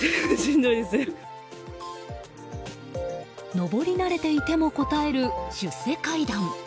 上り慣れていてもこたえる出世階段。